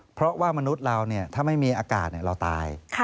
เพราะว่ามนุษย์เราถ้าไม่มีอากาศเราตาย